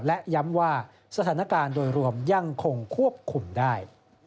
และย้ำว่าสถานการณ์โดยรวมยังคงควบคุมได้